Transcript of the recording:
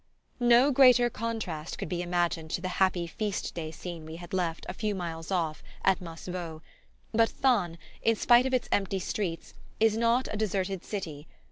No greater contrast could be imagined to the happy feast day scene we had left, a few miles off, at Massevaux; but Thann, in spite of its empty streets, is not a deserted city.